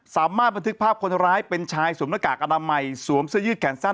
สามารถบันทึกภาพคนร้ายเป็นชายสวมหน้ากากอนามัยสวมเสื้อยืดแขนสั้น